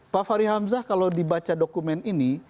pak fahri hamzah kalau dibaca dokumen ini